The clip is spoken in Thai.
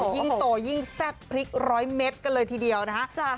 ยิ่งโตยิ่งแซ่บพริกร้อยเม็ดกันเลยทีเดียวนะคะ